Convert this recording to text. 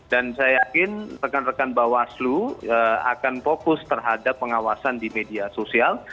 dan saya yakin rekan rekan bawaslu akan fokus terhadap pengawasan di media sosial